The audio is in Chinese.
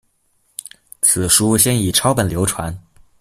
此书先以抄本流传。